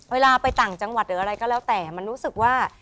เวลาไปต่างจังหวัดหรืออะไรก็แล้วแต่มันรู้สึกว่า